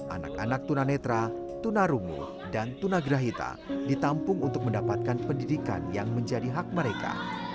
anak anak tunanetra tunarungu dan tunagrahita ditampung untuk mendapatkan pendidikan yang menjadi hak mereka